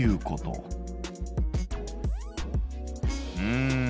うん。